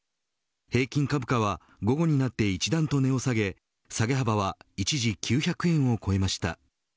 平均株価は、午後になって一段と値を下げ、下げ幅は一時９００円を超えました。